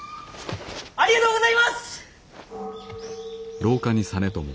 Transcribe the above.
ありがとうございます！